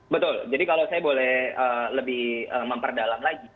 betul jadi kalau saya boleh lebih memperdalam lagi